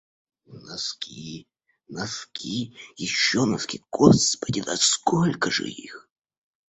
Носки, носки, ещё носки. Господи, да сколько же их?!